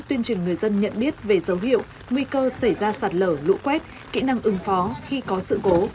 tuyên truyền người dân nhận biết về dấu hiệu nguy cơ xảy ra sạt lở lũ quét kỹ năng ứng phó khi có sự cố